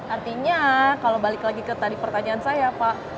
artinya kalau balik lagi ke tadi pertanyaan saya pak